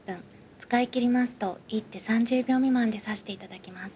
使い切りますと一手３０秒未満で指していただきます。